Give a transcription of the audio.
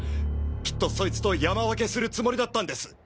きっとそいつと山分けするつもりだったんです！